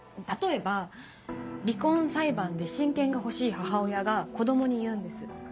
例えば離婚裁判で親権が欲しい母親が子供に言うんです。